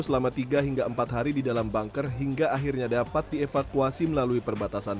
selama tiga hingga empat hari di dalam bunker hingga akhirnya dapat dievakuasi melalui perbatasan